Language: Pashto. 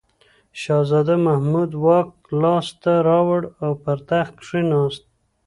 شهزاده محمود واک لاس ته راوړ او پر تخت کښېناست.